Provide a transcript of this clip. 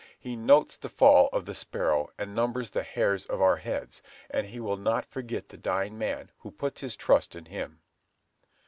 He notes the fall of the sparrow, and numbers the hairs of our heads; and He will not forget the dying man who puts his trust in Him."